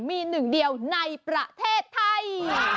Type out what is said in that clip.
มีหนึ่งเดียวในประเทศไทย